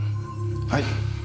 はい。